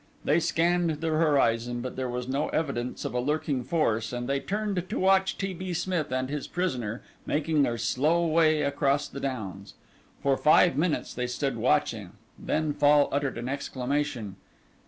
They scanned the horizon, but there was no evidence of a lurking force, and they turned to watch T. B. Smith and his prisoner making their slow way across the downs. For five minutes they stood watching, then Fall uttered an exclamation.